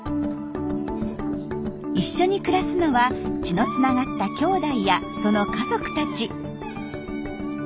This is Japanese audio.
一緒に暮らすのは血のつながった兄弟やその家族たち。